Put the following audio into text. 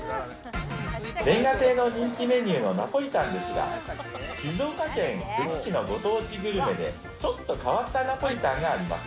煉瓦亭の人気メニューのナポリタンですが、静岡県富士市のご当地グルメで、ちょっと変わったナポリタンがあります。